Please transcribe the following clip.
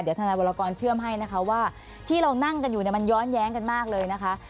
ทนายวรกรเชื่อมให้นะคะว่าที่เรานั่งกันอยู่เนี่ยมันย้อนแย้งกันมากเลยนะคะ